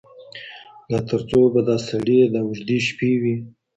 لا تر څو به دا سړې دا اوږدې شپې وي